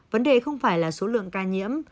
vấn đề không phải là số lượng ca nhiễm